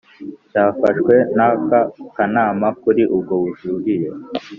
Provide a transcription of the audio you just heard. cyafashwe n aka Kanama kuri ubwo bujurire